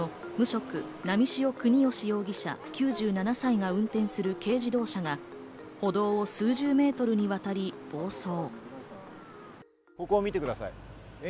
一昨日、午後５時頃、福島市の無職・波汐國芳容疑者、９７歳が運転する軽自動車が歩道を数十メートルにわたり暴走。